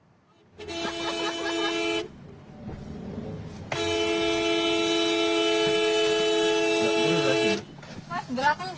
mas beratang juga mas